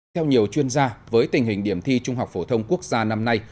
theo nhiều chuyên gia với tình hình điểm thi trung học phổ thông quốc gia năm nay